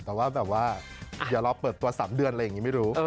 แต่ว่าอย่าลองเปิดตัว๓เดือนอะไรอย่างนี้ไม่รู้